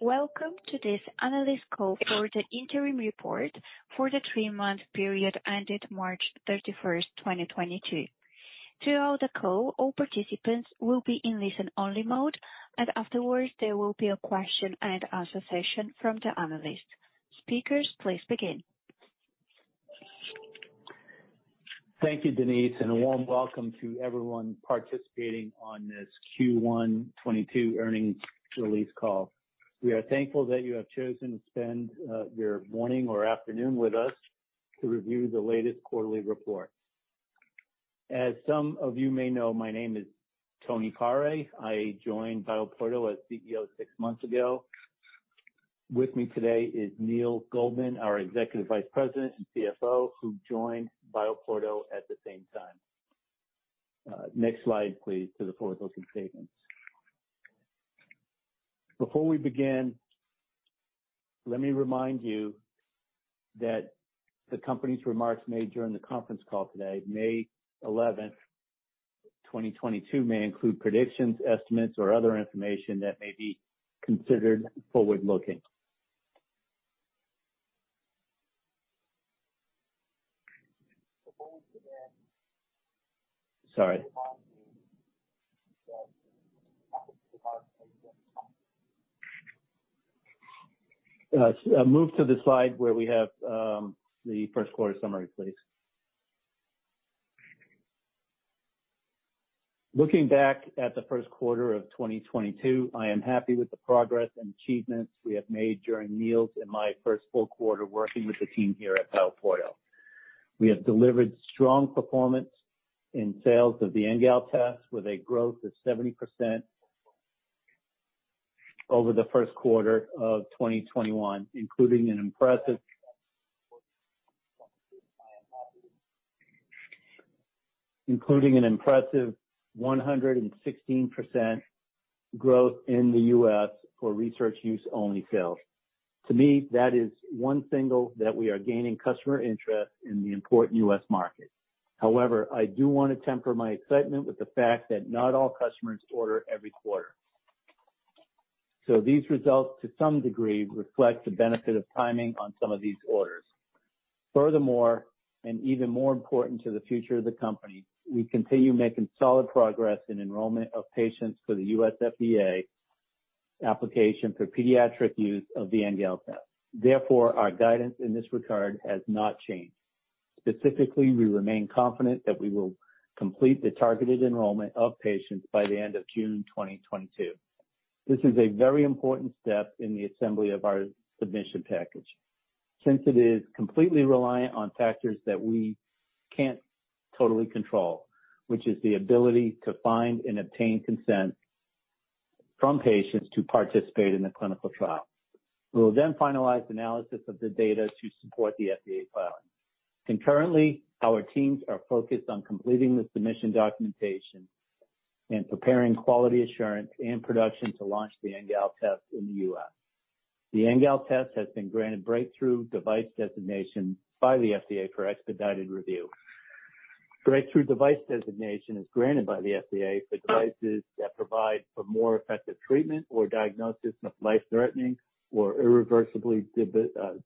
Welcome to this analyst call for the interim report for the three-month period ended March 31, 2022. Throughout the call, all participants will be in listen-only mode, and afterwards there will be a question and answer session from the analysts. Speakers, please begin. Thank you, Denise, and a warm welcome to everyone participating on this Q1 2022 earnings release call. We are thankful that you have chosen to spend your morning or afternoon with us to review the latest quarterly report. As some of you may know, my name is Tony Pare. I joined BioPorto as CEO six months ago. With me today is Neil Goldman, our Executive Vice President and CFO, who joined BioPorto at the same time. Next slide, please, to the forward-looking statements. Before we begin, let me remind you that the company's remarks made during the conference call today, May eleventh, 2022, may include predictions, estimates, or other information that may be considered forward-looking. Sorry. Move to the slide where we have the first quarter summary, please. Looking back at the first quarter of 2022, I am happy with the progress and achievements we have made during Neil's and my first full quarter working with the team here at BioPorto. We have delivered strong performance in sales of the NGAL Test with a growth of 70% over the first quarter of 2021, including an impressive 116% growth in the U.S. for research use only sales. To me, that is one signal that we are gaining customer interest in the important U.S. market. However, I do wanna temper my excitement with the fact that not all customers order every quarter. These results, to some degree, reflect the benefit of timing on some of these orders. Furthermore, and even more important to the future of the company, we continue making solid progress in enrollment of patients for the U.S. FDA application for pediatric use of the NGAL Test. Therefore, our guidance in this regard has not changed. Specifically, we remain confident that we will complete the targeted enrollment of patients by the end of June 2022. This is a very important step in the assembly of our submission package, since it is completely reliant on factors that we can't totally control, which is the ability to find and obtain consent from patients to participate in the clinical trial. We will then finalize analysis of the data to support the FDA filing. Concurrently, our teams are focused on completing the submission documentation and preparing quality assurance and production to launch the NGAL Test in the U.S. The NGAL Test has been granted breakthrough device designation by the FDA for expedited review. Breakthrough device designation is granted by the FDA for devices that provide for more effective treatment or diagnosis of life-threatening or irreversibly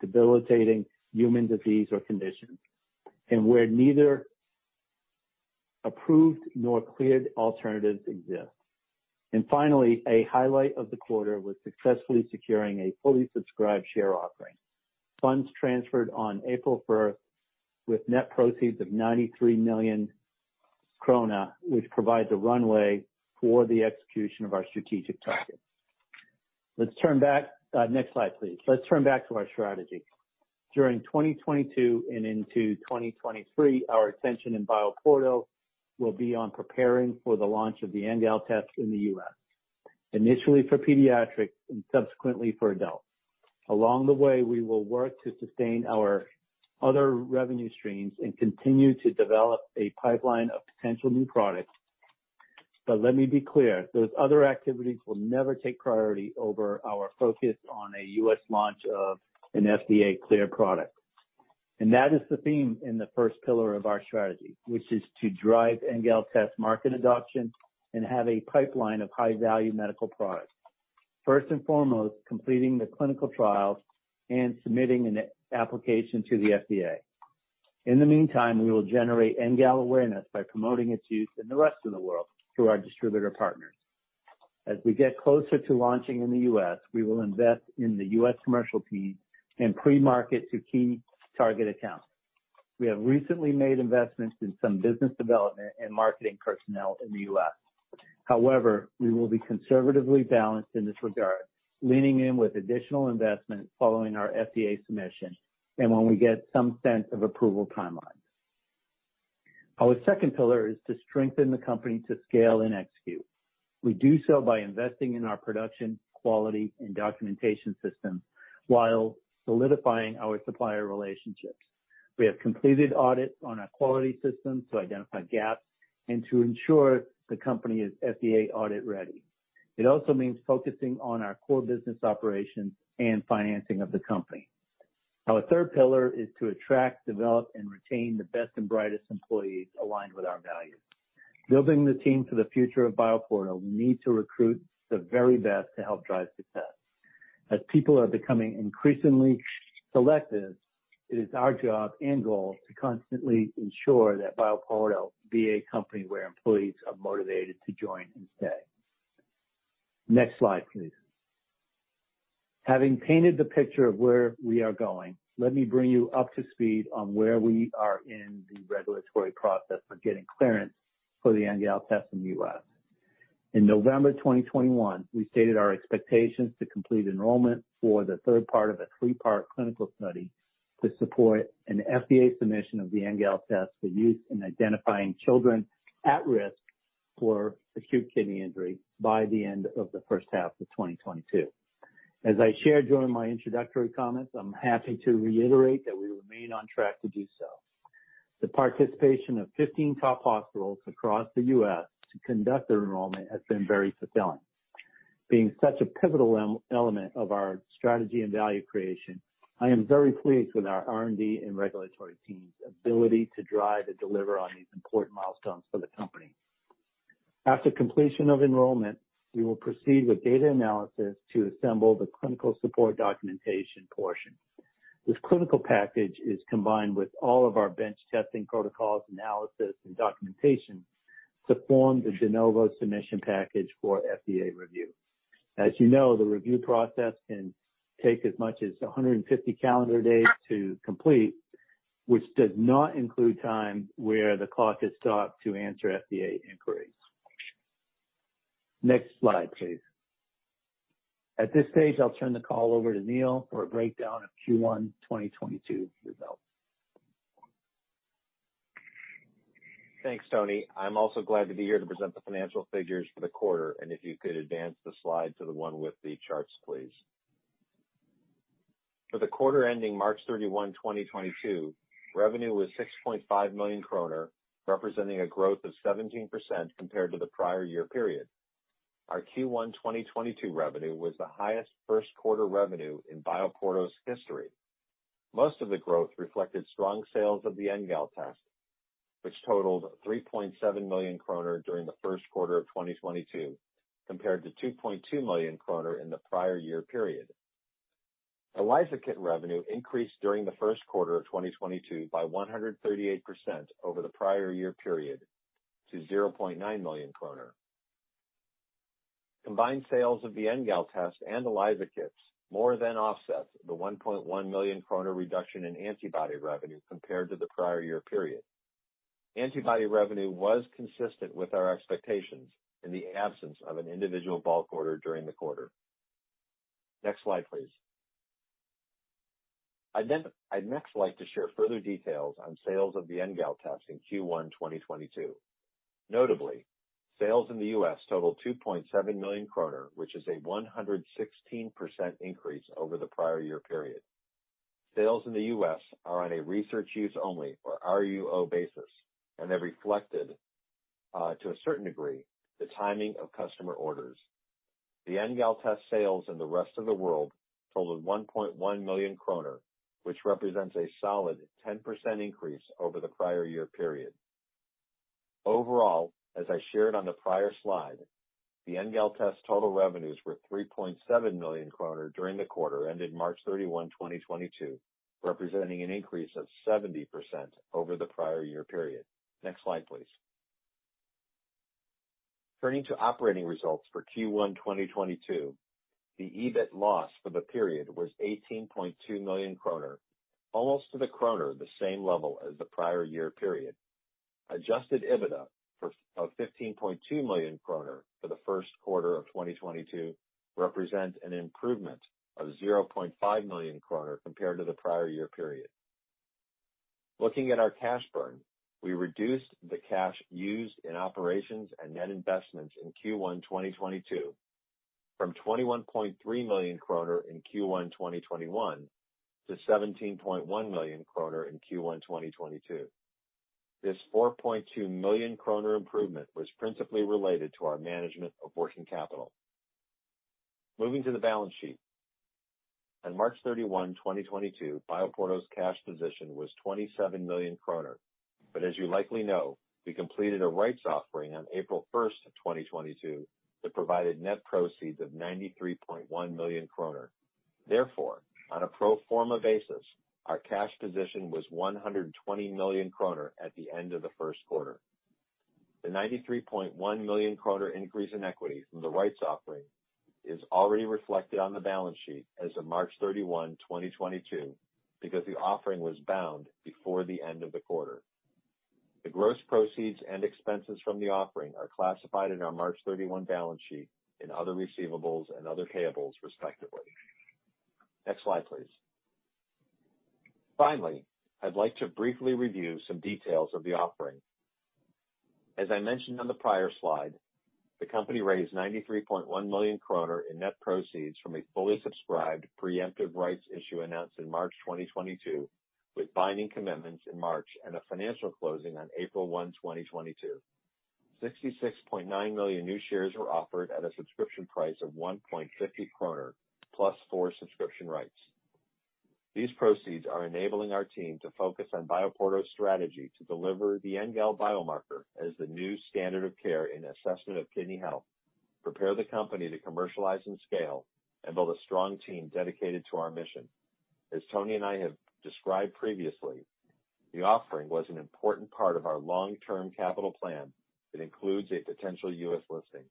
debilitating human disease or conditions, and where neither approved nor cleared alternatives exist. Finally, a highlight of the quarter was successfully securing a fully subscribed share offering. Funds transferred on April first with net proceeds of 93 million krone, which provides a runway for the execution of our strategic targets. Let's turn back. Next slide, please. Let's turn back to our strategy. During 2022 and into 2023, our attention in BioPorto will be on preparing for the launch of the NGAL Test in the U.S., initially for pediatrics and subsequently for adults. Along the way, we will work to sustain our other revenue streams and continue to develop a pipeline of potential new products. Let me be clear, those other activities will never take priority over our focus on a U.S. launch of an FDA-cleared product. That is the theme in the first pillar of our strategy, which is to drive NGAL Test market adoption and have a pipeline of high-value medical products. First and foremost, completing the clinical trials and submitting an application to the FDA. In the meantime, we will generate NGAL awareness by promoting its use in the rest of the world through our distributor partners. As we get closer to launching in the U.S., we will invest in the U.S. commercial team and pre-market to key target accounts. We have recently made investments in some business development and marketing personnel in the U.S. However, we will be conservatively balanced in this regard, leaning in with additional investment following our FDA submission and when we get some sense of approval timelines. Our second pillar is to strengthen the company to scale and execute. We do so by investing in our production, quality, and documentation systems while solidifying our supplier relationships. We have completed audits on our quality system to identify gaps and to ensure the company is FDA audit-ready. It also means focusing on our core business operations and financing of the company. Our third pillar is to attract, develop, and retain the best and brightest employees aligned with our values. Building the team for the future of BioPorto need to recruit the very best to help drive success. As people are becoming increasingly selective, it is our job and goal to constantly ensure that BioPorto be a company where employees are motivated to join and stay. Next slide, please. Having painted the picture of where we are going, let me bring you up to speed on where we are in the regulatory process for getting clearance for the NGAL Test in the U.S. In November 2021, we stated our expectations to complete enrollment for the third part of a three-part clinical study to support an FDA submission of the NGAL Test for use in identifying children at risk for acute kidney injury by the end of the first half of 2022. As I shared during my introductory comments, I'm happy to reiterate that we remain on track to do so. The participation of 15 top hospitals across the U.S. to conduct their enrollment has been very fulfilling. Being such a pivotal element of our strategy and value creation, I am very pleased with our R&D and regulatory team's ability to drive and deliver on these important milestones for the company. After completion of enrollment, we will proceed with data analysis to assemble the clinical support documentation portion. This clinical package is combined with all of our bench testing protocols, analysis, and documentation to form the De Novo submission package for FDA review. As you know, the review process can take as much as 150 calendar days to complete, which does not include time where the clock is stopped to answer FDA inquiries. Next slide, please. At this stage, I'll turn the call over to Neil for a breakdown of Q1 2022 results. Thanks, Tony. I'm also glad to be here to present the financial figures for the quarter, and if you could advance the slide to the one with the charts, please. For the quarter ending March 31, 2022, revenue was 6.5 million kroner, representing a growth of 17% compared to the prior year period. Our Q1 2022 revenue was the highest first quarter revenue in BioPorto's history. Most of the growth reflected strong sales of the NGAL Test, which totaled 3.7 million kroner during the first quarter of 2022, compared to 2.2 million kroner in the prior year period. ELISA kit revenue increased during the first quarter of 2022 by 138% over the prior year period to 0.9 million kroner. Combined sales of the NGAL Test and ELISA kits more than offset the 1.1 million krone reduction in antibody revenue compared to the prior year period. Antibody revenue was consistent with our expectations in the absence of an individual bulk order during the quarter. Next slide, please. I'd next like to share further details on sales of the NGAL Test in Q1 2022. Notably, sales in the U.S. totaled 2.7 million kroner, which is a 116% increase over the prior year period. Sales in the U.S. are on a research use only or RUO basis, and they reflected, to a certain degree, the timing of customer orders. The NGAL Test sales in the rest of the world totaled 1.1 million kroner, which represents a solid 10% increase over the prior year period. Overall, as I shared on the prior slide, the NGAL Test total revenues were 3.7 million kroner during the quarter ended March 31, 2022, representing an increase of 70% over the prior year period. Next slide, please. Turning to operating results for Q1 2022, the EBIT loss for the period was 18.2 million kroner, almost to the krone the same level as the prior year period. Adjusted EBITDA of 15.2 million kroner for the first quarter of 2022 represents an improvement of 0.5 million kroner compared to the prior year period. Looking at our cash burn, we reduced the cash used in operations and net investments in Q1 2022 from 21.3 million kroner in Q1 2021 to 17.1 million kroner in Q1 2022. This 4.2 million kroner improvement was principally related to our management of working capital. Moving to the balance sheet. On March 31, 2022, BioPorto's cash position was 27 million kroner. As you likely know, we completed a rights offering on April 1, 2022, that provided net proceeds of 93.1 million kroner. Therefore, on a pro forma basis, our cash position was 120 million kroner at the end of the first quarter. The 93.1 million kroner increase in equity from the rights offering is already reflected on the balance sheet as of March 31, 2022, because the offering was announced before the end of the quarter. The gross proceeds and expenses from the offering are classified in our March 31 balance sheet in other receivables and other payables, respectively. Next slide, please. Finally, I'd like to briefly review some details of the offering. As I mentioned on the prior slide, the company raised 93.1 million kroner in net proceeds from a fully subscribed preemptive rights issue announced in March 2022, with binding commitments in March and a financial closing on April 1, 2022. 66.9 million new shares were offered at a subscription price of 1.50 kroner plus four subscription rights. These proceeds are enabling our team to focus on BioPorto's strategy to deliver the NGAL biomarker as the new standard of care in assessment of kidney health, prepare the company to commercialize and scale, and build a strong team dedicated to our mission. As Tony and I have described previously, the offering was an important part of our long-term capital plan that includes a potential U.S. listing.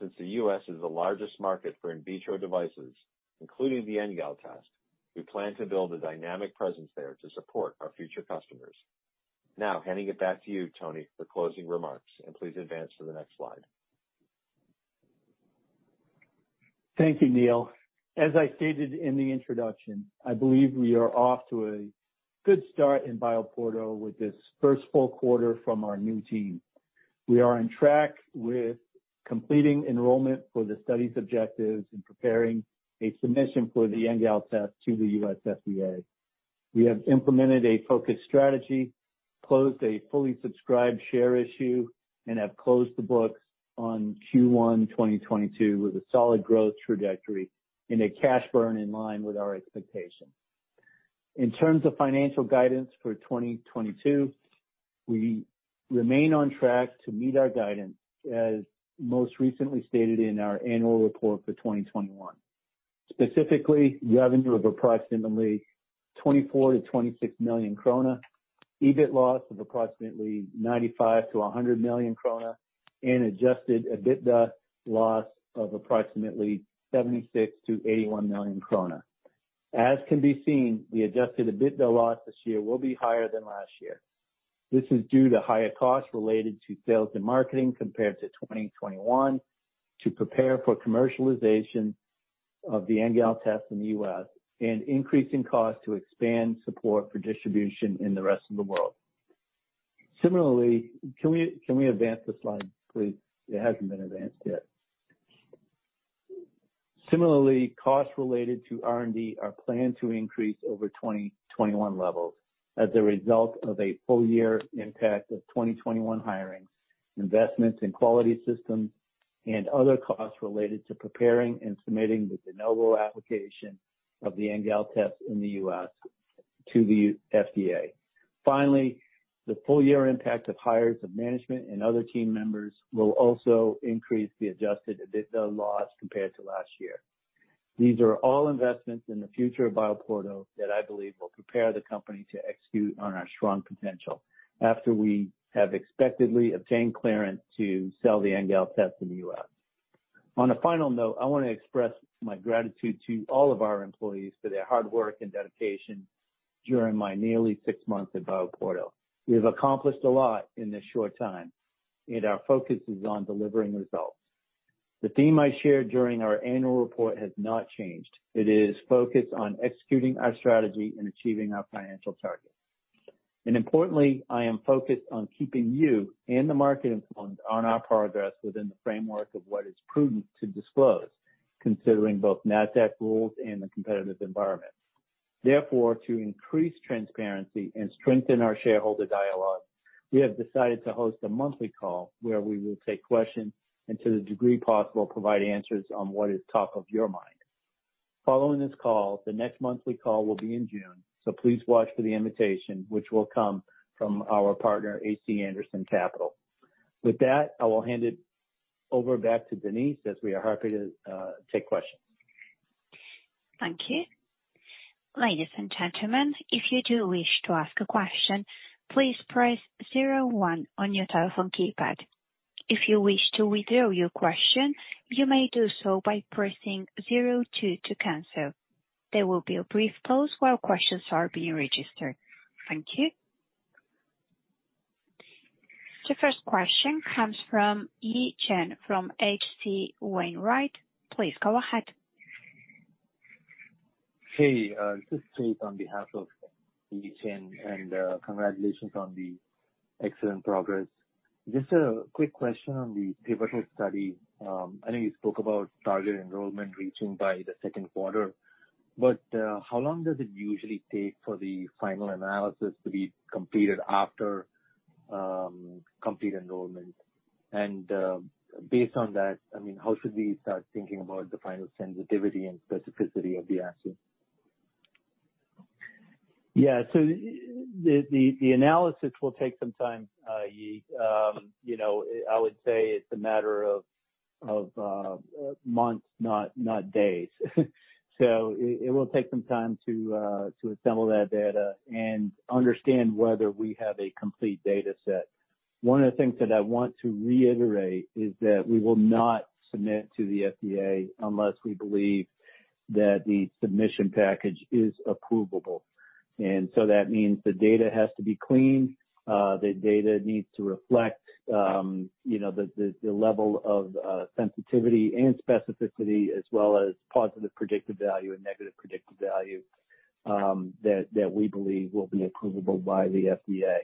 Since the U.S. is the largest market for in vitro devices, including the NGAL Test, we plan to build a dynamic presence there to support our future customers. Now handing it back to you, Tony, for closing remarks, and please advance to the next slide. Thank you, Neil. As I stated in the introduction, I believe we are off to a good start in BioPorto with this first full quarter from our new team. We are on track with completing enrollment for the study's objectives and preparing a submission for the NGAL Test to the U.S. FDA. We have implemented a focused strategy, closed a fully subscribed share issue, and have closed the books on Q1 2022 with a solid growth trajectory and a cash burn in line with our expectations. In terms of financial guidance for 2022, we remain on track to meet our guidance, as most recently stated in our annual report for 2021. Specifically, revenue of approximately 24 million-26 million krone, EBIT loss of approximately 95 million-100 million krone, and adjusted EBITDA loss of approximately 76 million-81 million krone. As can be seen, the adjusted EBITDA loss this year will be higher than last year. This is due to higher costs related to sales and marketing compared to 2021 to prepare for commercialization of the NGAL Test in the U.S. and increasing costs to expand support for distribution in the rest of the world. Can we advance the slide, please? It hasn't been advanced yet. Similarly, costs related to R&D are planned to increase over 2021 levels as a result of a full year impact of 2021 hirings, investments in quality systems, and other costs related to preparing and submitting the De Novo application of the NGAL Test in the U.S. to the FDA. Finally, the full year impact of hires of management and other team members will also increase the adjusted EBITDA loss compared to last year. These are all investments in the future of BioPorto that I believe will prepare the company to execute on our strong potential after we have expectedly obtained clearance to sell the NGAL Test in the U.S. On a final note, I wanna express my gratitude to all of our employees for their hard work and dedication during my nearly six months at BioPorto. We have accomplished a lot in this short time, yet our focus is on delivering results. The theme I shared during our annual report has not changed. It is focused on executing our strategy and achieving our financial targets. Importantly, I am focused on keeping you and the market informed on our progress within the framework of what is prudent to disclose, considering both Nasdaq rules and the competitive environment. Therefore, to increase transparency and strengthen our shareholder dialogue, we have decided to host a monthly call where we will take questions, and to the degree possible, provide answers on what is top of your mind. Following this call, the next monthly call will be in June, so please watch for the invitation, which will come from our partner, HC Andersen Capital. With that, I will hand it over back to Denise, as we are happy to take questions. Thank you. Ladies and gentlemen, if you do wish to ask a question, please press zero one on your telephone keypad. If you wish to withdraw your question, you may do so by pressing zero two to cancel. There will be a brief pause while questions are being registered. Thank you. The first question comes from Yi Chen from H.C. Wainwright. Please go ahead. Hey, this is Chase on behalf of Yi Chen, and congratulations on the excellent progress. Just a quick question on the pivotal study. I know you spoke about target enrollment reaching by the second quarter, but how long does it usually take for the final analysis to be completed after complete enrollment? And based on that, I mean, how should we start thinking about the final sensitivity and specificity of the assay? Yeah. The analysis will take some time, Yi. You know, I would say it's a matter of months, not days. It will take some time to assemble that data and understand whether we have a complete data set. One of the things that I want to reiterate is that we will not submit to the FDA unless we believe that the submission package is approvable. That means the data has to be clean. The data needs to reflect, you know, the level of sensitivity and specificity as well as positive predictive value and negative predictive value that we believe will be approvable by the FDA.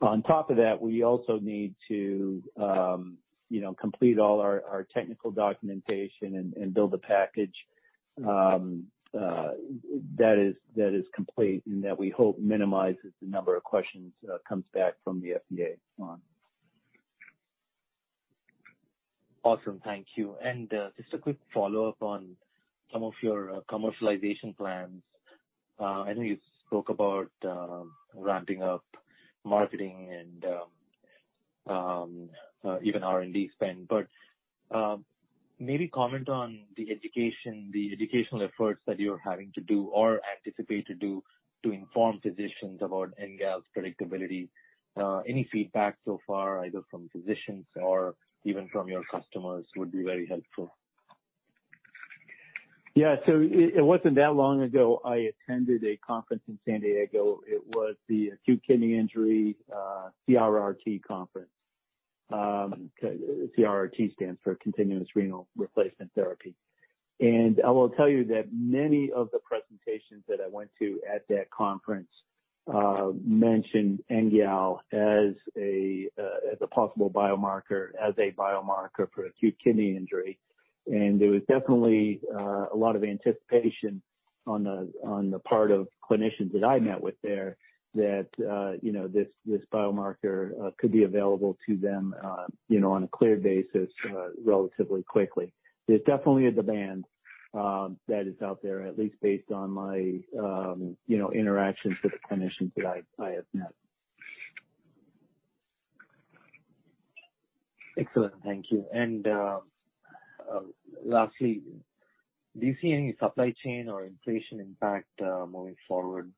On top of that, we also need to, you know, complete all our technical documentation and build a package that is complete and that we hope minimizes the number of questions comes back from the FDA on. Awesome. Thank you. Just a quick follow-up on some of your commercialization plans. I know you spoke about ramping up marketing and even R&D spend, but maybe comment on the education, the educational efforts that you're having to do or anticipate to do to inform physicians about NGAL's predictability. Any feedback so far, either from physicians or even from your customers would be very helpful. Yeah. It wasn't that long ago, I attended a conference in San Diego. It was the acute kidney injury CRRT conference. CRRT stands for Continuous Renal Replacement Therapy. I will tell you that many of the presentations that I went to at that conference mentioned NGAL as a possible biomarker, as a biomarker for acute kidney injury. There was definitely a lot of anticipation on the part of clinicians that I met with there that you know, this biomarker could be available to them you know, on a clear basis relatively quickly. There's definitely a demand that is out there, at least based on my you know, interactions with the clinicians that I have met. Excellent. Thank you. Lastly, do you see any supply chain or inflation impact, moving forward,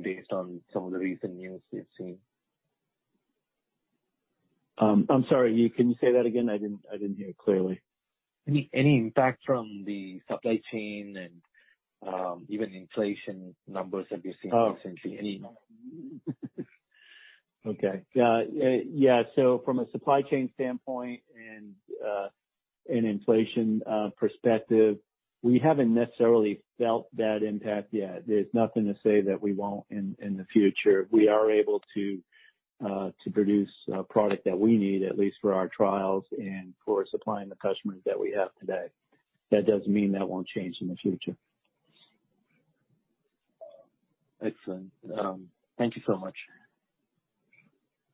based on some of the recent news we've seen? I'm sorry. Can you say that again? I didn't hear clearly. Any impact from the supply chain and even inflation numbers, have you seen recently any? Okay. Yeah. From a supply chain standpoint and an inflation perspective, we haven't necessarily felt that impact yet. There's nothing to say that we won't in the future. We are able to produce product that we need, at least for our trials and for supplying the customers that we have today. That doesn't mean that won't change in the future. Excellent. Thank you so much.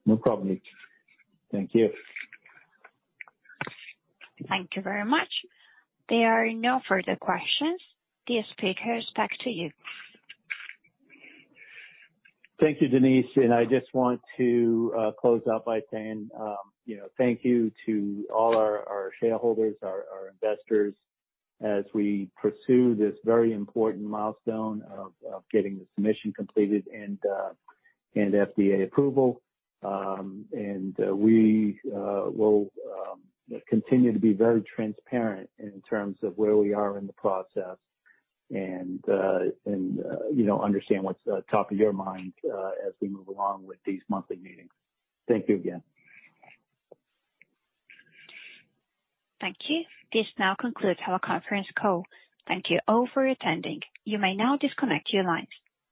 No problem. Thank you. Thank you very much. There are no further questions. Dear speakers, back to you. Thank you, Denise. I just want to close out by saying, you know, thank you to all our shareholders, our investors as we pursue this very important milestone of getting the submission completed and FDA approval. We will continue to be very transparent in terms of where we are in the process and, you know, understand what's top of your mind as we move along with these monthly meetings. Thank you again. Thank you. This now concludes our conference call. Thank you all for attending. You may now disconnect your lines.